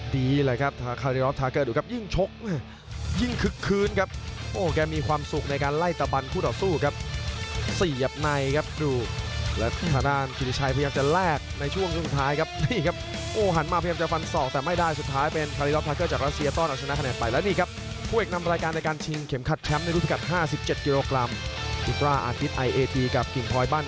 แต่เมื่อคู่นี้มาแล้วครับเอกลักษณ์ของเท่านั้น